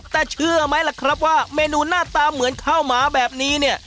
แต่เชื่อไหมล่ะครับว่าเมนูหน้าตาเหมือนข้าวหมาแบบนี้เนี่ย